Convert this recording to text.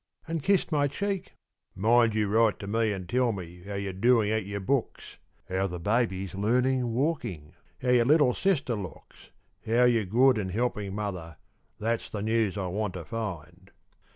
and kissed my cheek, "Mind you write to me and tell me How you're doing at your books, How the baby's learning walking, How your little sister looks, How you're good and helping mother That's the news I want to find."